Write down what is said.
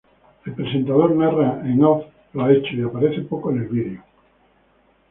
El presentador narra en off los hechos y aparece poco en el video.